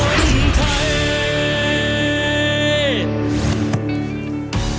เพื่อคนไทย